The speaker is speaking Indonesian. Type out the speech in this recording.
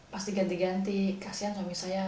pasti ganti ganti kasihan suami saya